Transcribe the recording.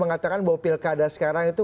mengatakan bahwa pilkada sekarang itu